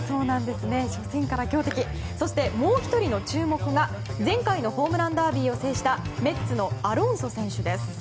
初戦から強敵そしてもう１人、注目が前回のホームランダービーを制したメッツのアロンソ選手です。